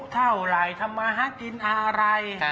เพราะว่าอะไร